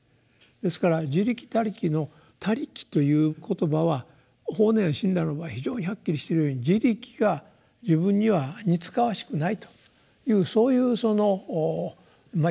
ですから「自力」「他力」の「他力」という言葉は法然親鸞の場合非常にはっきりしているように「自力」が自分には似つかわしくないというそういうそのま